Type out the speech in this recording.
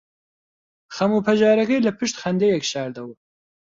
خەم و پەژارەکەی لەپشت خەندەیەک شاردەوە.